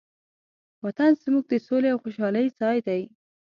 وطن زموږ د سولې او خوشحالۍ ځای دی.